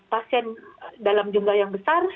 pasien dalam jumlah yang besar